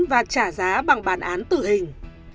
và trả giá bằng bản án tử hình